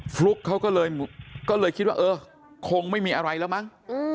ฟลุ๊กเขาก็เลยคิดว่าเออคงไม่มีอะไรแล้วมั้ง